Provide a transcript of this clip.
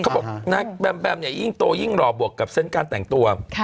เขาบอกนักแบมแบมเนี่ยยิ่งโตยิ่งหล่อบวกกับเซนต์การแต่งตัว